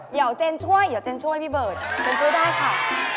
เดี๋ยวเจนช่วยพี่เบิร์ดเจนช่วยได้ค่ะ